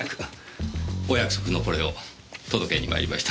お約束のこれを届けにまいりました。